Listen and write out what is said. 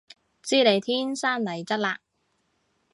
知你天生麗質嘞